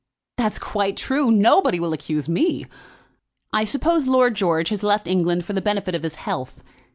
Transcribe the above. "That's quite true. Nobody will accuse me. I suppose Lord George has left England for the benefit of his health.